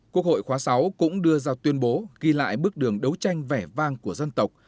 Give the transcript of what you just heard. quốc hội khóa sáu cũng đưa ra tuyên bố ghi lại bước đường đấu tranh vẻ vang của dân tộc